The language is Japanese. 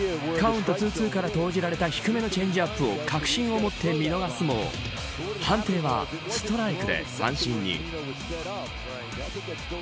カウント２ー２から投じられた低めのチェンジアップを確信を持って見逃すも判定はストライクで三振に。